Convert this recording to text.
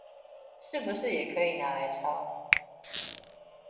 是不是也可以拿來抄